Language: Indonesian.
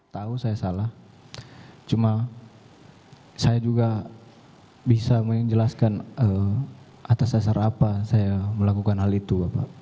tahu saya salah cuma saya juga bisa menjelaskan atas dasar apa saya melakukan hal itu